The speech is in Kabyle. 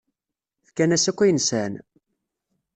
Fkan-as akk ayen sɛan.